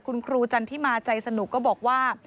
คุณครูจันทิมาใจสนุกก็บอกว่า